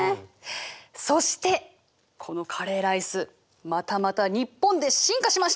そしてこのカレーライスまたまた日本で進化しました！